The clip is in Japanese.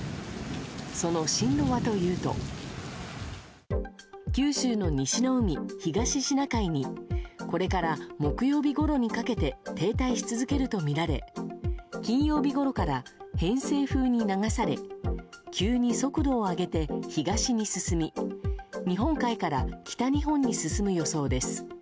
その進路はというと九州の西の海、東シナ海にこれから木曜日ごろにかけて停滞し続けるとみられ金曜日ごろから偏西風に流され急に速度を上げて東に進み日本海から北日本に進む予想です。